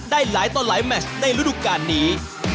ได้หลายต่อหลายแมชในฤดูการนี้